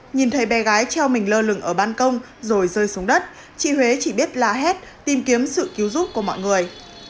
nhìn thấy bé gái treo mình lơ lửng ở ban công rồi rơi xuống đất chị huế chỉ biết la hét tìm kiếm sự cứu giúp của mọi người